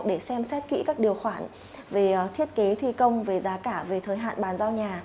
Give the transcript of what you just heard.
để xem xét kỹ các điều khoản về thiết kế thi công về giá cả về thời hạn bàn giao nhà